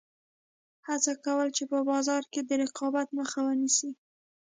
هڅه کوله چې په بازار کې د رقابت مخه ونیسي.